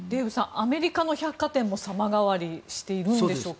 アメリカの百貨店も様変わりしているんでしょうか。